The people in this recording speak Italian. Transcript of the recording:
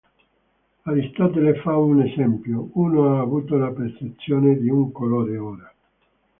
Aristotele fa un esempio: "uno ha avuto la percezione di un colore, ora".